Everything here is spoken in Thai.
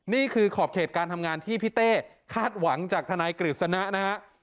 นี่คือขอบเขตการทำงานที่พี่เต้คาดหวังจากทนายกฤษณะนะฮะ